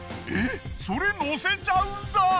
えっそれのせちゃうんだ！？